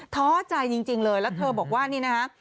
ท้อใจจริงเลยแล้วเธอบอกว่านี่นะฮะ